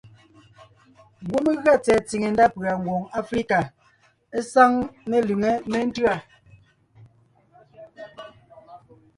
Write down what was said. Ngwɔ́ mé gʉa tsɛ̀ɛ tsìŋe ndá pʉ̀a Ngwòŋ Aflíka sáŋ melʉŋé méntʉ́a: